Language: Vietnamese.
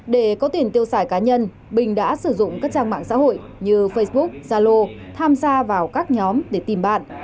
để có tiền tiêu xài cá nhân bình đã sử dụng các trang mạng xã hội như facebook zalo tham gia vào các nhóm để tìm bạn